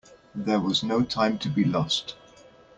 There was no time to be lost.